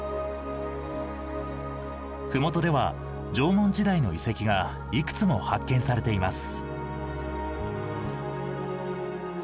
麓では縄文時代の遺跡がいくつも発見されています。